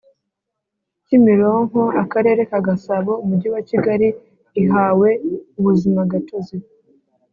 Kimironko Akarere ka Gasabo Umujyi wa Kigali ihawe ubuzimagatozi